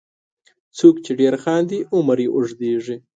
• څوک چې ډېر خاندي، عمر یې اوږدیږي.